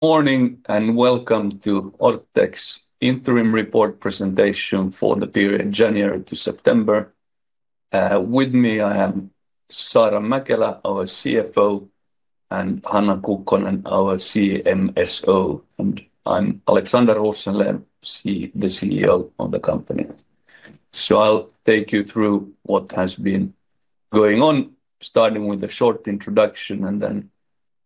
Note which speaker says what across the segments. Speaker 1: Morning and welcome to Orthex interim report presentation for the period January to September. With me I am Saara Mäkelä, our CFO, and Hanna Kukkonen, our CMSO. I am Alexander Rosenlew, the CEO of the company. I will take you through what has been going on, starting with a short introduction and then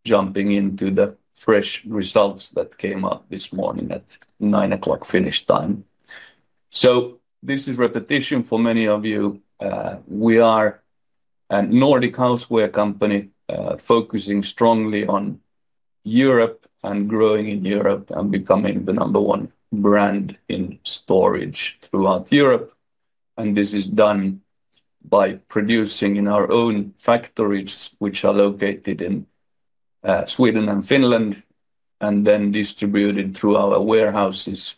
Speaker 1: jumping into the fresh results that came out this morning at 9:00AM Finnish time. This is repetition for many of you. We are a Nordic houseware company focusing strongly on Europe and growing in Europe and becoming the number one brand in storage throughout Europe. This is done by producing in our own factories, which are located in Sweden and Finland, and then distributed through our warehouses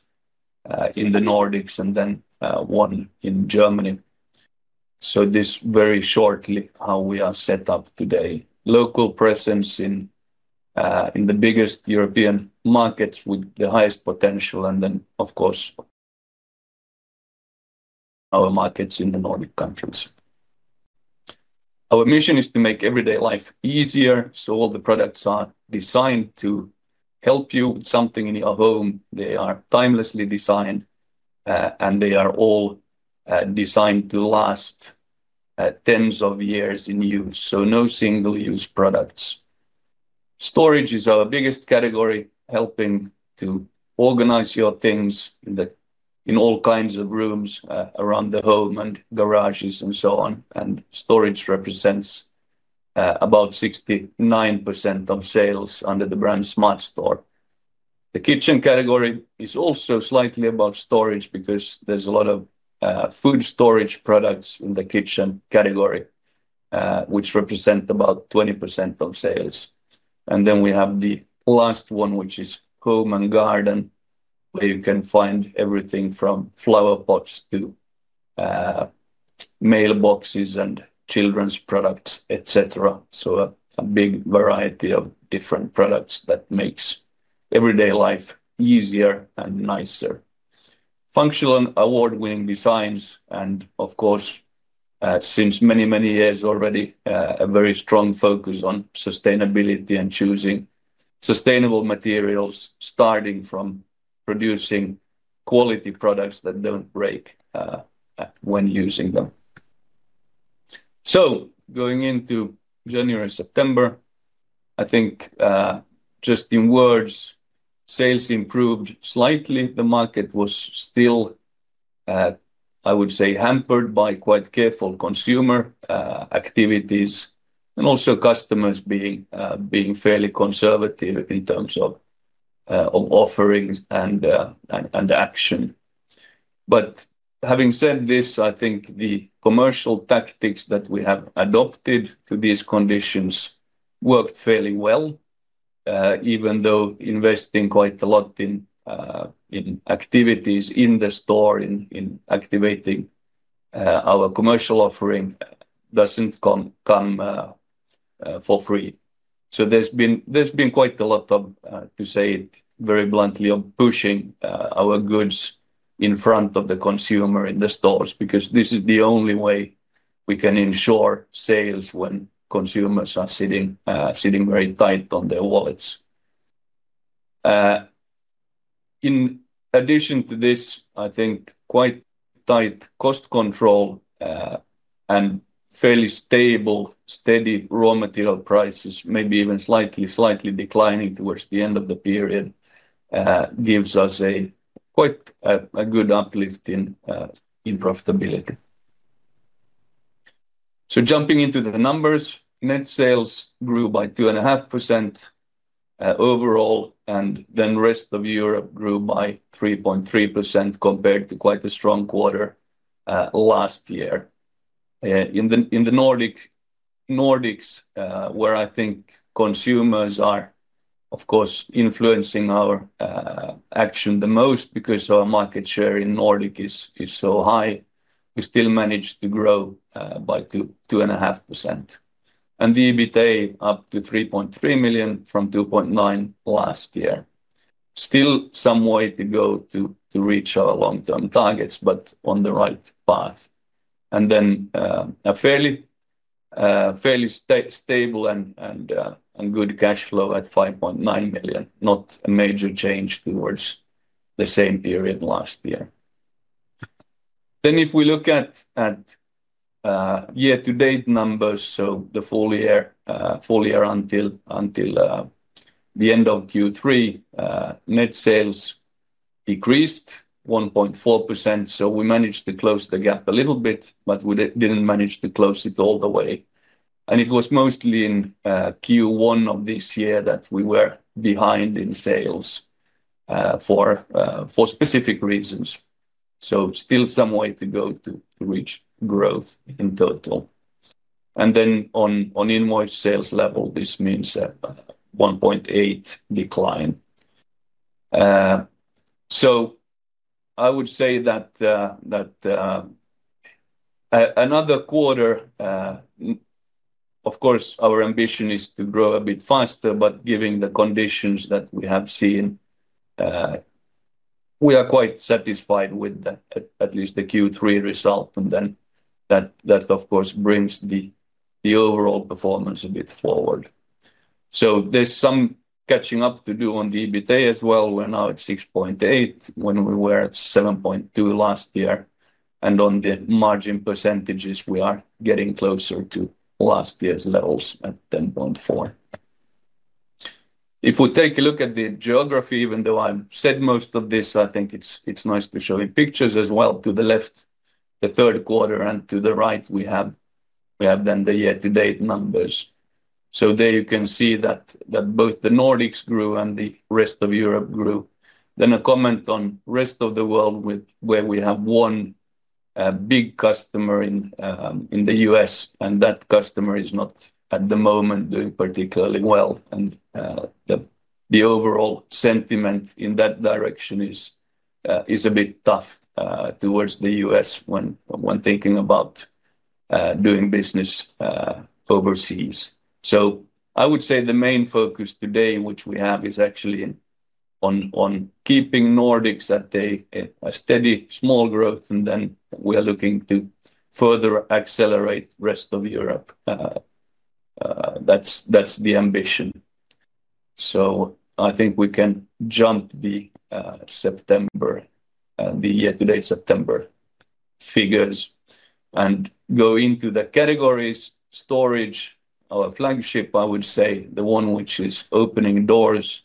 Speaker 1: in the Nordics and one in Germany. This is very shortly how we are set up today. Local presence in the biggest European markets with the highest potential, and then of course our markets in the Nordic countries. Our mission is to make everyday life easier, so all the products are designed to help you with something in your home. They are timelessly designed, and they are all designed to last tens of years in use, so no single-use products. Storage is our biggest category, helping to organize your things in all kinds of rooms around the home and garages and so on. Storage represents about 69% of sales under the brand Smart Store. The kitchen category is also slightly about storage because there is a lot of food storage products in the kitchen category, which represent about 20% of sales. Then we have the last one, which is home and garden, where you can find everything from flower pots to mailboxes and children's products, etc. A big variety of different products that makes everyday life easier and nicer. Functional award-winning designs and of course, since many, many years already, a very strong focus on sustainability and choosing sustainable materials, starting from producing quality products that do not break when using them. Going into January-September, I think just in words, sales improved slightly. The market was still, I would say, hampered by quite careful consumer activities and also customers being fairly conservative in terms of offerings and action. Having said this, I think the commercial tactics that we have adopted to these conditions worked fairly well, even though investing quite a lot in activities in the store, in activating our commercial offering, does not come for free. There has been quite a lot of, to say it very bluntly, pushing our goods in front of the consumer in the stores because this is the only way we can ensure sales when consumers are sitting very tight on their wallets. In addition to this, I think quite tight cost control and fairly stable, steady raw material prices, maybe even slightly declining towards the end of the period, gives us a quite good uplift in profitability. Jumping into the numbers, net sales grew by 2.5% overall, and then rest of Europe grew by 3.3% compared to quite a strong quarter last year. In the Nordics, where I think consumers are of course influencing our action the most because our market share in the Nordics is so high, we still managed to grow by 2.5%. The EBITDA up to 3.3 million from 2.9 million last year. Still some way to go to reach our long-term targets, but on the right path. A fairly stable and good cash flow at 5.9 million, not a major change towards the same period last year. If we look at year-to-date numbers, the full year until the end of Q3, net sales decreased 1.4%, so we managed to close the gap a little bit, but we did not manage to close it all the way. It was mostly in Q1 of this year that we were behind in sales for specific reasons. Still some way to go to reach growth in total. On invoice sales level, this means a 1.8% decline. I would say that another quarter, of course our ambition is to grow a bit faster, but given the conditions that we have seen, we are quite satisfied with at least the Q3 result, and that of course brings the overall performance a bit forward. There is some catching up to do on the EBITDA as well. We are now at 6.8 when we were at 7.2 last year, and on the margin percentages, we are getting closer to last year's levels at 10.4%. If we take a look at the geography, even though I have said most of this, I think it is nice to show in pictures as well to the left, the third quarter, and to the right we have the year-to-date numbers. There you can see that both the Nordics grew and the rest of Europe grew. A comment on the rest of the world where we have one big customer in the US, and that customer is not at the moment doing particularly well. The overall sentiment in that direction is a bit tough towards the US when thinking about doing business overseas. I would say the main focus today which we have is actually on keeping Nordics at a steady small growth, and then we are looking to further accelerate the rest of Europe. That is the ambition. I think we can jump the year-to-date September figures and go into the categories. Storage, our flagship, I would say, the one which is opening doors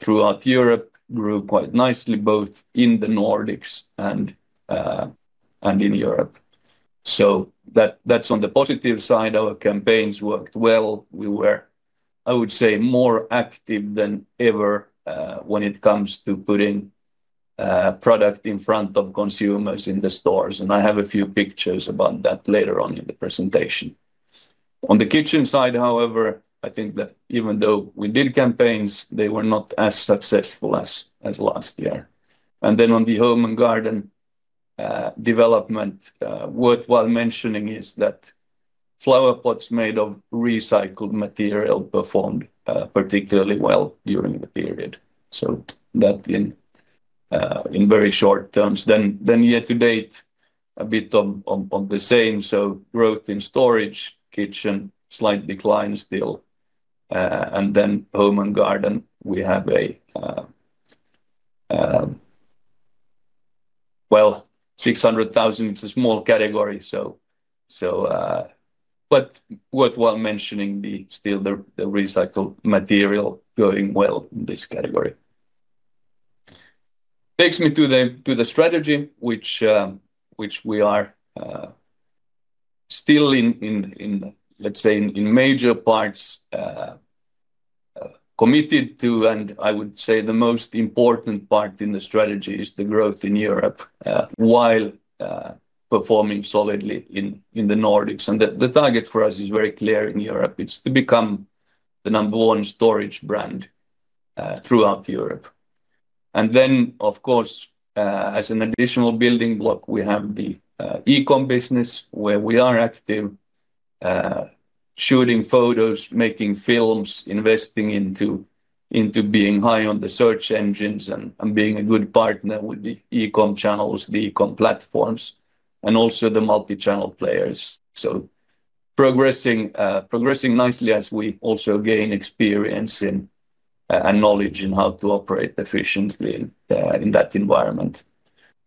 Speaker 1: throughout Europe, grew quite nicely both in the Nordics and in Europe. That is on the positive side. Our campaigns worked well. We were, I would say, more active than ever when it comes to putting product in front of consumers in the stores. I have a few pictures about that later on in the presentation. On the kitchen side, however, I think that even though we did campaigns, they were not as successful as last year. On the home and garden development, worthwhile mentioning is that flower pots made of recycled material performed particularly well during the period. That in very short terms. Year-to-date, a bit of the same. Growth in storage, kitchen, slight decline still. Home and garden, we have a, well, 600,000 is a small category, but worthwhile mentioning still the recycled material going well in this category. Takes me to the strategy, which we are still in, let's say, in major parts committed to, and I would say the most important part in the strategy is the growth in Europe while performing solidly in the Nordics. The target for us is very clear in Europe. It's to become the number one storage brand throughout Europe. Of course, as an additional building block, we have the e-com business where we are active, shooting photos, making films, investing into being high on the search engines and being a good partner with the e-com channels, the e-com platforms, and also the multi-channel players. Progressing nicely as we also gain experience and knowledge in how to operate efficiently in that environment.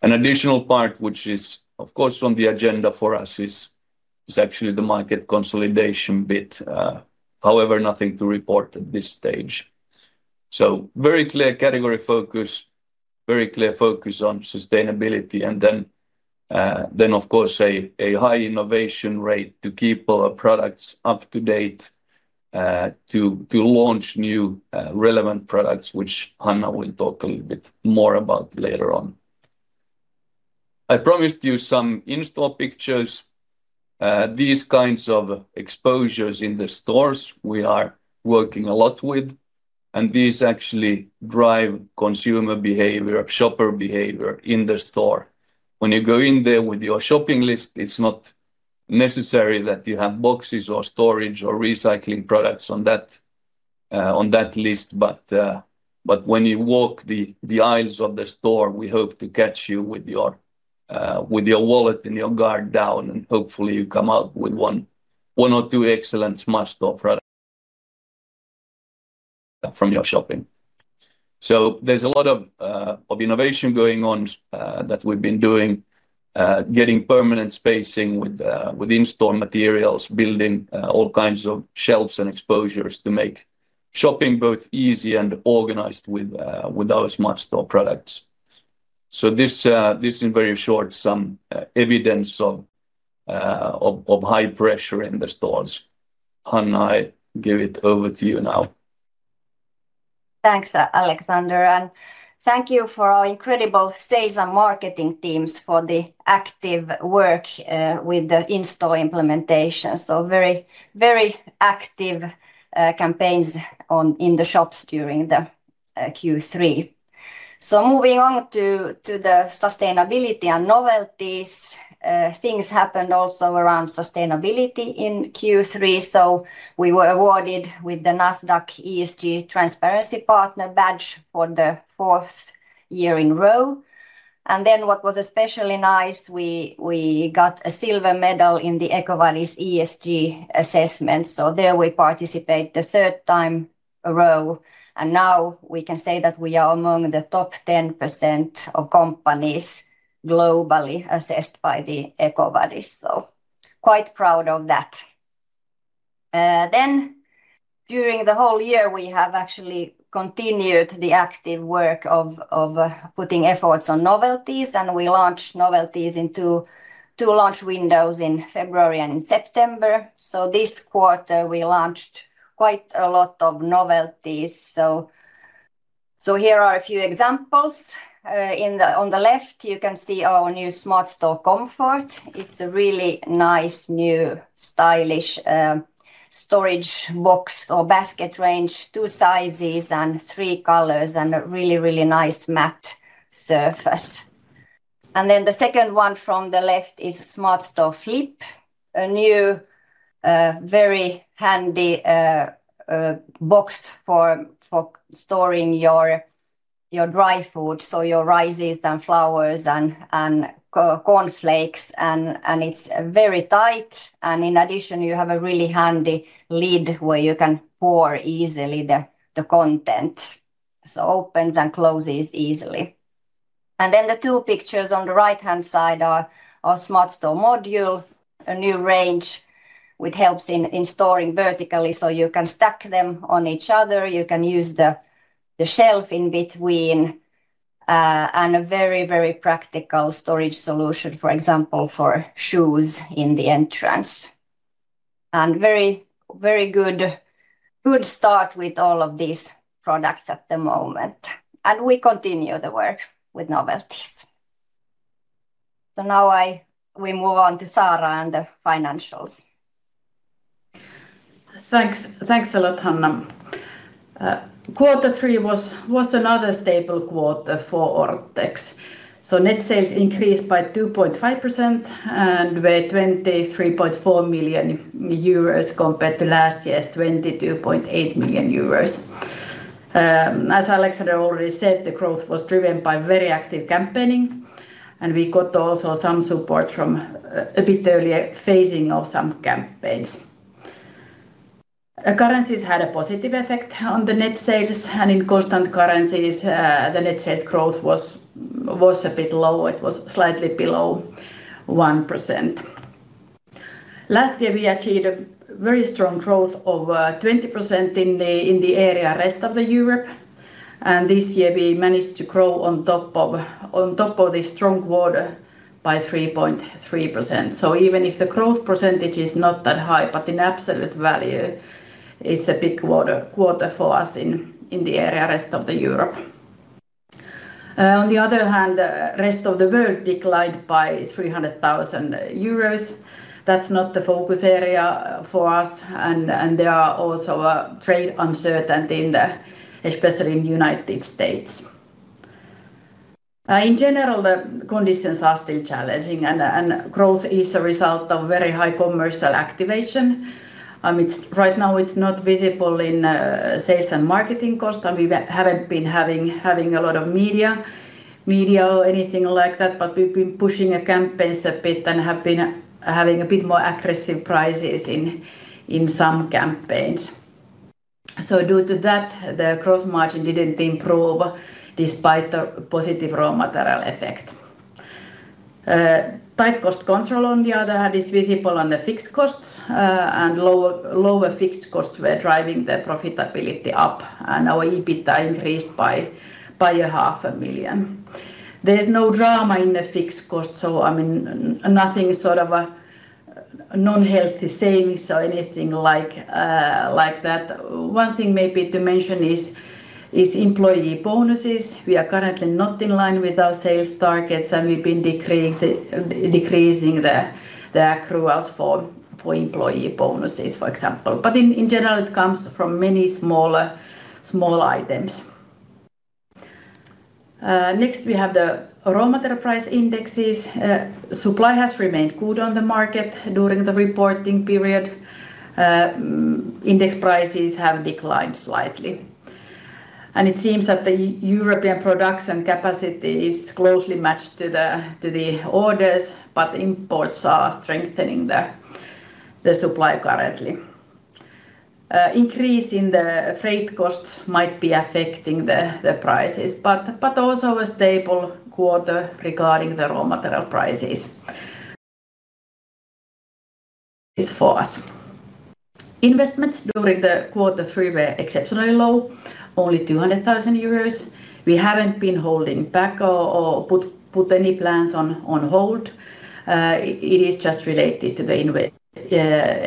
Speaker 1: An additional part, which is of course on the agenda for us, is actually the market consolidation bit. However, nothing to report at this stage. Very clear category focus, very clear focus on sustainability. Of course, a high innovation rate to keep our products up to date, to launch new relevant products, which Hanna will talk a little bit more about later on. I promised you some install pictures. These kinds of exposures in the stores we are working a lot with, and these actually drive consumer behavior, shopper behavior in the store. When you go in there with your shopping list, it is not necessary that you have boxes or storage or recycling products on that list, but when you walk the aisles of the store. We hope to catch you with your wallet and your guard down, and hopefully you come out with one or two excellent Smart Store products from your shopping. There is a lot of innovation going on that we have been doing, getting permanent spacing with in-store materials, building all kinds of shelves and exposures to make shopping both easy and organized with our Smart Store products. This is, in very short, some evidence of high pressure in the stores. Hanna, I give it over to you now.
Speaker 2: Thanks, Alexander. Thank you to our incredible sales and marketing teams for the active work with the in-store implementation. Very active campaigns in the shops during Q3. Moving on to the sustainability and novelties, things happened also around sustainability in Q3. We were awarded with the Nasdaq ESG Transparency Partner badge for the fourth year in a row. What was especially nice, we got a silver medal in the EcoVadis ESG assessment. There we participated the third time in a row. Now we can say that we are among the top 10% of companies globally assessed by EcoVadis. Quite proud of that. During the whole year, we have actually continued the active work of putting efforts on novelties, and we launched novelties in two launch windows in February and in September. This quarter, we launched quite a lot of novelties. Here are a few examples. On the left, you can see our new Smart Store Comfort. It is a really nice new stylish storage box or basket range, two sizes and three colors, and a really, really nice matte surface. The second one from the left is Smart Store Flip, a new very handy box for storing your dry food, so your rices and flours and cornflakes. It is very tight. In addition, you have a really handy lid where you can pour easily the contents. It opens and closes easily. The two pictures on the right-hand side are our Smart Store module, a new range which helps in storing vertically. You can stack them on each other. You can use the shelf in between and a very, very practical storage solution, for example, for shoes in the entrance. Very good start with all of these products at the moment. We continue the work with novelties. Now we move on to Saara and the financials.
Speaker 3: Thanks a lot, Hanna. Quarter three was another stable quarter for Orthex. Net sales increased by 2.5% and by 23.4 million euros compared to last year's 22.8 million euros. As Alexander already said, the growth was driven by very active campaigning, and we got also some support from a bit earlier phasing of some campaigns. Currencies had a positive effect on the net sales, and in constant currencies, the net sales growth was a bit low. It was slightly below 1%. Last year, we achieved a very strong growth of 20% in the area rest of Europe. This year, we managed to grow on top of this strong quarter by 3.3%. Even if the growth percentage is not that high, in absolute value, it's a big quarter for us in the area rest of Europe. On the other hand, the rest of the world declined by 300,000 euros. That's not the focus area for us. There are also trade uncertainty, especially in the United States. In general, the conditions are still challenging, and growth is a result of very high commercial activation. Right now, it's not visible in sales and marketing costs, and we haven't been having a lot of media or anything like that, but we've been pushing campaigns a bit and have been having a bit more aggressive prices in some campaigns. Due to that, the gross margin didn't improve despite the positive raw material effect. Tight cost control on the other hand is visible on the fixed costs, and lower fixed costs were driving the profitability up, and our EBITDA increased by 500,000. There's no drama in the fixed costs, so nothing sort of non-healthy savings or anything like that. One thing maybe to mention is employee bonuses. We are currently not in line with our sales targets, and we've been decreasing the accruals for employee bonuses, for example. In general, it comes from many smaller items. Next, we have the raw material price indexes. Supply has remained good on the market during the reporting period. Index prices have declined slightly. It seems that the European production capacity is closely matched to the orders, but imports are strengthening the supply currently. Increase in the freight costs might be affecting the prices, but also a stable quarter regarding the raw material prices for us. Investments during quarter three were exceptionally low, only 200,000 euros. We haven't been holding back or put any plans on hold. It is just related to the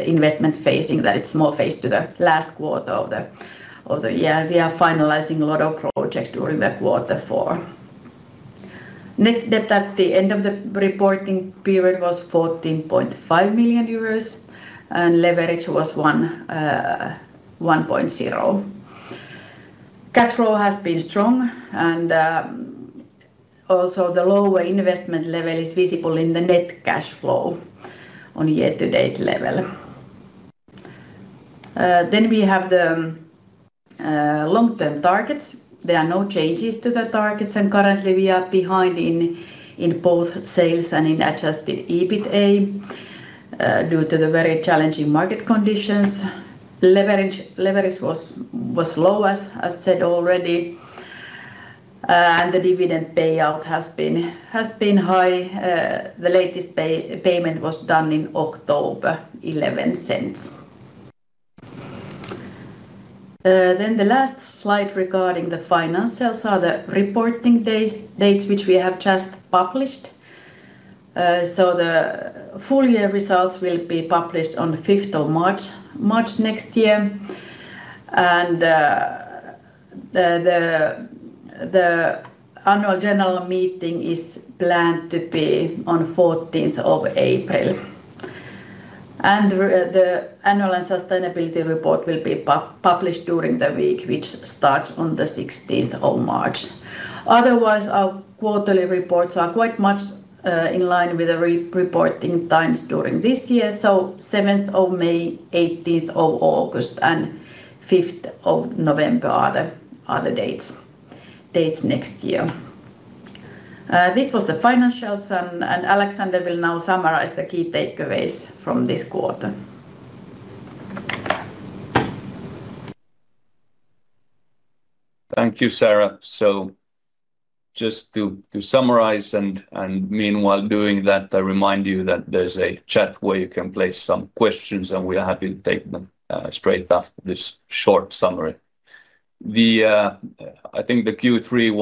Speaker 3: investment phasing that it's more phased to the last quarter of the year. We are finalizing a lot of projects during quarter four. Net debt at the end of the reporting period was 14.5 million euros, and leverage was 1.0. Cash flow has been strong, and also the lower investment level is visible in the net cash flow on year-to-date level. We have the long-term targets. There are no changes to the targets, and currently we are behind in both sales and in adjusted EBITDA due to the very challenging market conditions. Leverage was low, as said already, and the dividend payout has been high. The latest payment was done in October, 0.11. The last slide regarding the financials is the reporting dates which we have just published. The full year results will be published on the 5th of March next year. The annual general meeting is planned to be on the 14th of April. The annual sustainability report will be published during the week which starts on the 16th of March. Otherwise, our quarterly reports are quite much in line with the reporting times during this year. 7th of May, 18th of August, and 5th of November are the dates next year. This was the financials, and Alexander will now summarize the key takeaways from this quarter.
Speaker 1: Thank you, Saara. Just to summarize, and meanwhile doing that, I remind you that there's a chat where you can place some questions, and we're happy to take them straight after this short summary. I think the Q3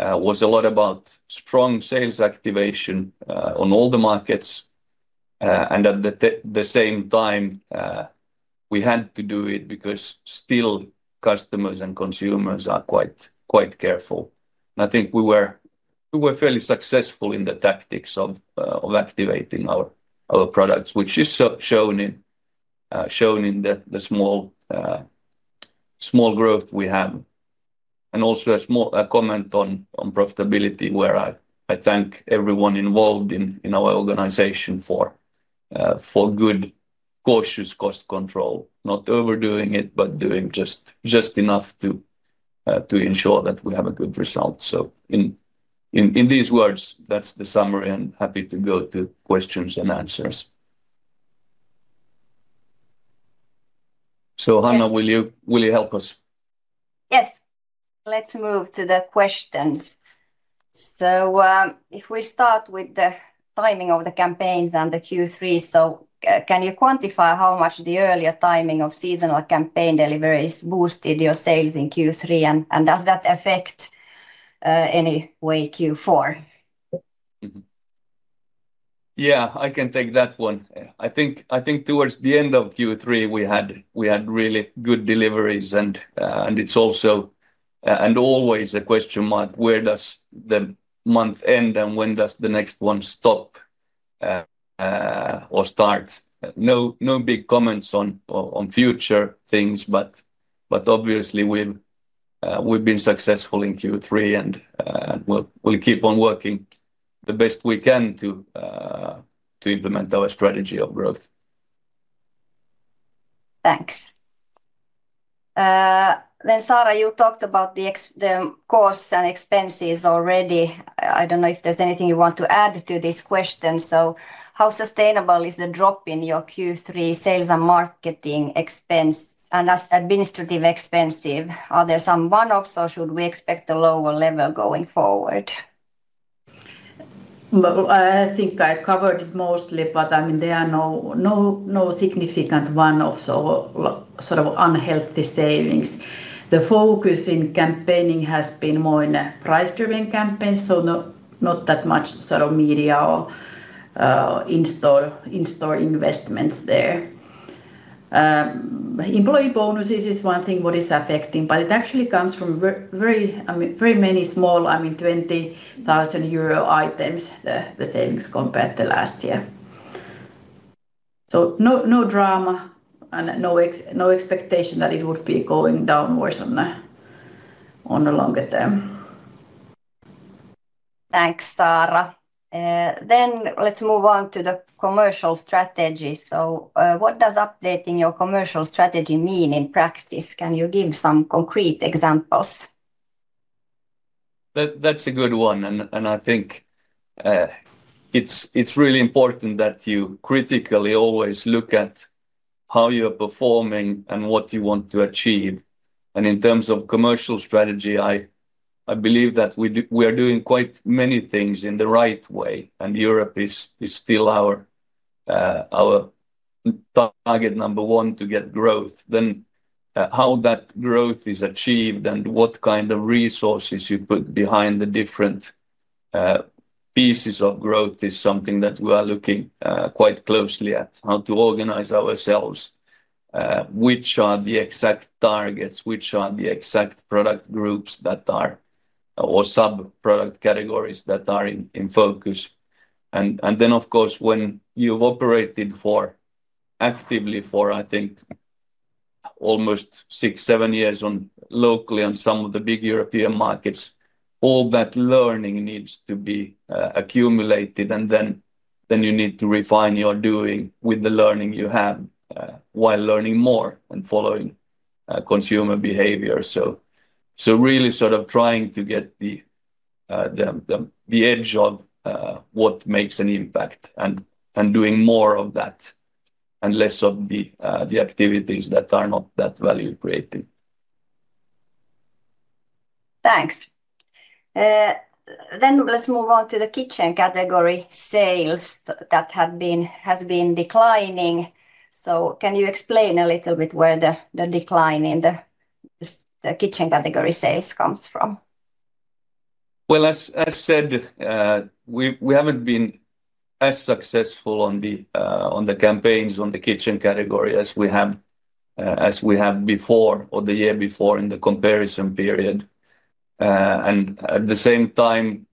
Speaker 1: was a lot about strong sales activation on all the markets, and at the same time, we had to do it because still customers and consumers are quite careful. I think we were fairly successful in the tactics of activating our products, which is shown in the small growth we have. Also a comment on profitability, where I thank everyone involved in our organization for good, cautious cost control, not overdoing it, but doing just enough to ensure that we have a good result. In these words, that is the summary, and happy to go to questions and answers. Hanna, will you help us?
Speaker 2: Yes. Let's move to the questions. If we start with the timing of the campaigns and the Q3, can you quantify how much the earlier timing of seasonal campaign deliveries boosted your sales in Q3, and does that affect any way Q4?
Speaker 1: Yeah, I can take that one. I think towards the end of Q3, we had really good deliveries, and it's also always a question mark, where does the month end, and when does the next one stop or start? No big comments on future things, but obviously, we've been successful in Q3, and we'll keep on working the best we can to implement our strategy of growth.
Speaker 2: Thanks. Then Saara, you talked about the costs and expenses already. I don't know if there's anything you want to add to this question. So how sustainable is the drop in your Q3 sales and marketing expense and administrative expense? Are there some one-offs or should we expect a lower level going forward?
Speaker 3: I think I covered it mostly, but I mean, there are no significant one-offs or sort of unhealthy savings. The focus in campaigning has been more in a price-driven campaign, so not that much sort of media or in-store investments there. Employee bonuses is one thing what is affecting, but it actually comes from very many small, I mean, 20,000 euro items, the savings compared to last year. No drama and no expectation that it would be going downwards on the longer term.
Speaker 2: Thanks, Saara. Let's move on to the commercial strategy. What does updating your commercial strategy mean in practice? Can you give some concrete examples?
Speaker 1: That's a good one. I think it's really important that you critically always look at how you're performing and what you want to achieve. In terms of commercial strategy, I believe that we are doing quite many things in the right way, and Europe is still our target number one to get growth. How that growth is achieved and what kind of resources you put behind the different pieces of growth is something that we are looking quite closely at, how to organize ourselves, which are the exact targets, which are the exact product groups that are or sub-product categories that are in focus. Of course, when you've operated actively for, I think, almost six, seven years locally on some of the big European markets, all that learning needs to be accumulated, and you need to refine your doing with the learning you have while learning more and following consumer behavior. Really sort of trying to get the edge of what makes an impact and doing more of that and less of the activities that are not that value-creating.
Speaker 2: Thanks. Let's move on to the kitchen category sales that has been declining. Can you explain a little bit where the decline in the kitchen category sales comes from?
Speaker 1: As said, we have not been as successful on the campaigns on the kitchen category as we have before or the year before in the comparison period. At the same time,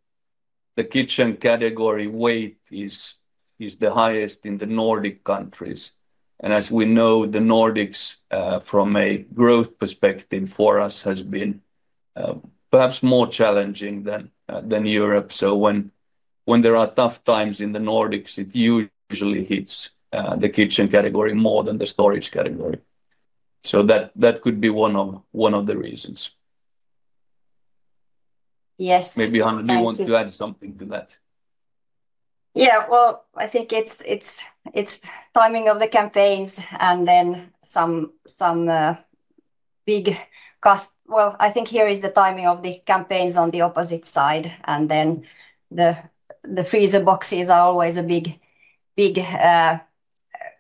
Speaker 1: the kitchen category weight is the highest in the Nordic countries. As we know, the Nordics, from a growth perspective for us, has been perhaps more challenging than Europe. When there are tough times in the Nordics, it usually hits the kitchen category more than the storage category. That could be one of the reasons. Maybe Hanna, do you want to add something to that?
Speaker 2: Yeah, I think it is timing of the campaigns and then some big comps. I think here is the timing of the campaigns on the opposite side. And then the freezer boxes are always a big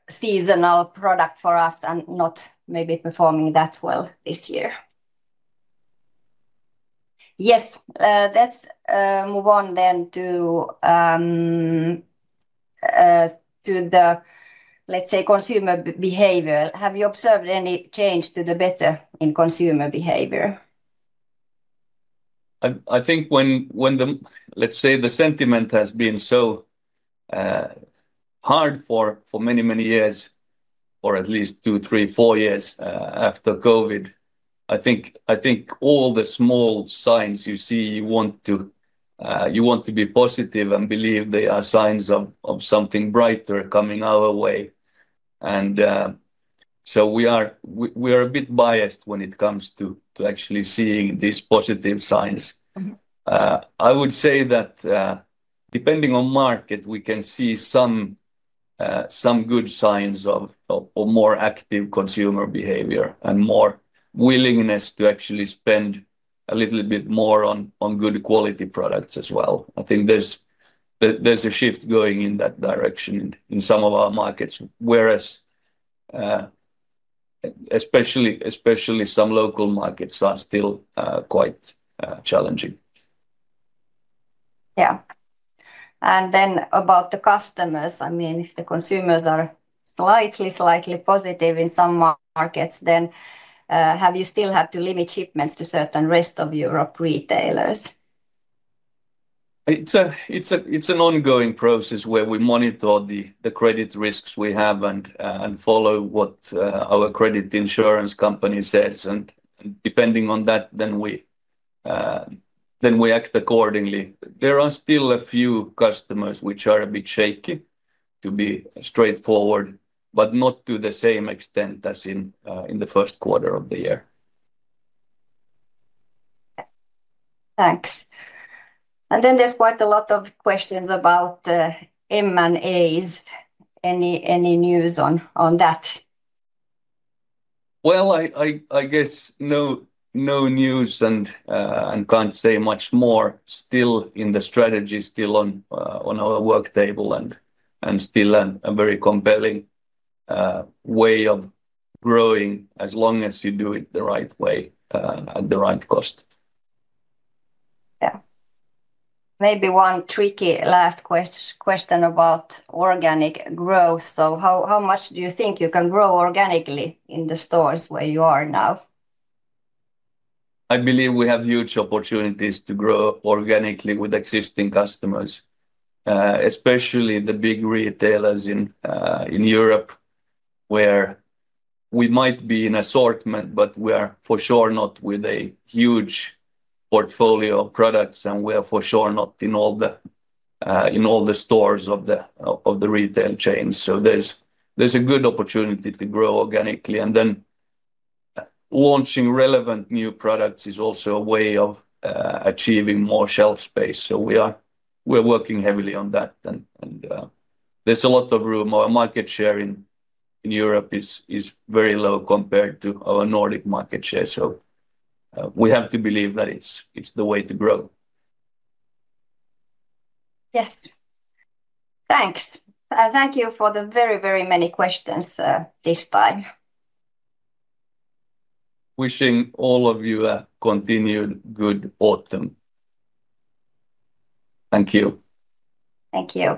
Speaker 2: seasonal product for us and not maybe performing that well this year. Yes, let's move on then to the, let's say, consumer behavior. Have you observed any change to the better in consumer behavior?
Speaker 1: I think when, let's say, the sentiment has been so hard for many, many years, or at least two, three, four years after COVID, I think all the small signs you see, you want to be positive and believe they are signs of something brighter coming our way. We are a bit biased when it comes to actually seeing these positive signs. I would say that depending on market, we can see some good signs of more active consumer behavior and more willingness to actually spend a little bit more on good quality products as well. I think there's a shift going in that direction in some of our markets, whereas especially some local markets are still quite challenging.
Speaker 2: Yeah. And then about the customers, I mean, if the consumers are slightly, slightly positive in some markets, then have you still had to limit shipments to certain rest of Europe retailers?
Speaker 1: It's an ongoing process where we monitor the credit risks we have and follow what our credit insurance company says. Depending on that, we act accordingly. There are still a few customers which are a bit shaky, to be straightforward, but not to the same extent as in the first quarter of the year. Thanks. There are quite a lot of questions about M&As. No news and can't say much more. Still in the strategy, still on our work table and still a very compelling way of growing as long as you do it the right way at the right cost.
Speaker 2: Yeah. Maybe one tricky last question about organic growth. How much do you think you can grow organically in the stores where you are now?
Speaker 1: I believe we have huge opportunities to grow organically with existing customers, especially the big retailers in Europe, where we might be in assortment, but we are for sure not with a huge portfolio of products, and we are for sure not in all the stores of the retail chain. There is a good opportunity to grow organically. Launching relevant new products is also a way of achieving more shelf space. We are working heavily on that, and there is a lot of room. Our market share in Europe is very low compared to our Nordic market share. We have to believe that it's the way to grow.
Speaker 2: Yes. Thanks. Thank you for the very, very many questions this time.
Speaker 1: Wishing all of you a continued good autumn. Thank you.
Speaker 3: Thank you.